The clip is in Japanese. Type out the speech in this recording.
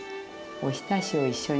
おひたしを一緒に食べる。